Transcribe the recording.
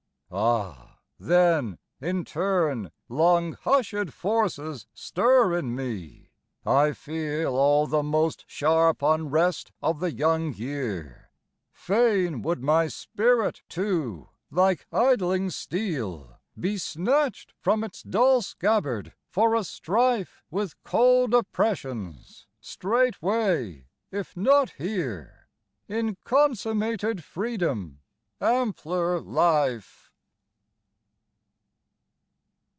Ah! then, in turn Long hushèd forces stir in me; I feel All the most sharp unrest of the young year; Fain would my spirit, too, like idling steel Be snatched from its dull scabbard, for a strife With cold oppressions! straightway, if not here, In consummated freedom, ampler life.